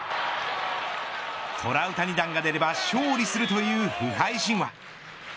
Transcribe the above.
トラウタニ弾が出れば勝利するという不敗神話。